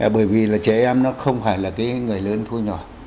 bởi vì là trẻ em nó không phải là cái người lớn thu nhỏ